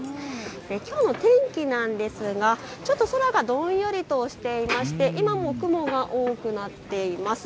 きょうの天気ですがちょっと空がどんよりとしていて今も雲が多くなっています。